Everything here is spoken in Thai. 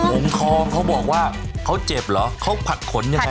องค์ทองเขาบอกว่าเขาเจ็บเหรอเขาผัดขนยังไง